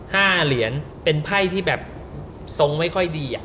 ห้าเหรียญเป็นไพ่ที่แบบทรงไม่ค่อยดีอ่ะ